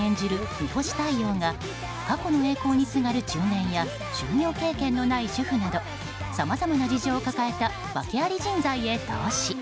大陽が過去の栄光にすがる中年や就業経験のない主婦などさまざまな事情を抱えた訳アリ人材へ投資。